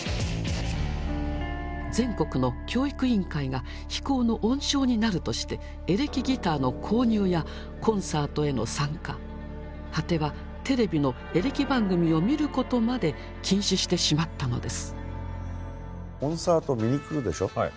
全国の教育委員会が非行の温床になるとしてエレキギターの購入やコンサートへの参加果てはテレビのエレキ番組を見ることまで禁止してしまったのです。